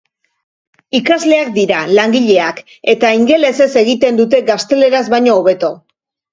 Ikasleak dira, langileak, eta ingelesez egiten dute gazteleraz baino hobeto.